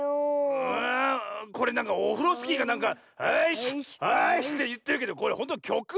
ああこれなんかオフロスキーがなんか「あいしっあいしっ」っていってるけどこれほんときょく？